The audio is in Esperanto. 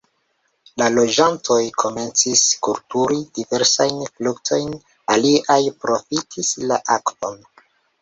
La loĝantoj komencis kulturi diversajn fruktojn, aliaj profitis la akvon.